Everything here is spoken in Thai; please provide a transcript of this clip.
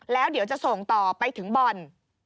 แล้วเดี๋ยวจะส่งต่อไปถึงบ่อน